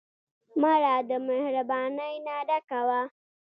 مړه د مهربانۍ نه ډکه وه